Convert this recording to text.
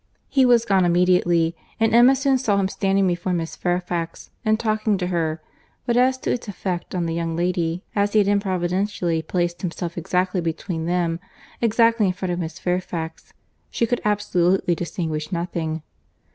He was gone immediately; and Emma soon saw him standing before Miss Fairfax, and talking to her; but as to its effect on the young lady, as he had improvidently placed himself exactly between them, exactly in front of Miss Fairfax, she could absolutely distinguish nothing.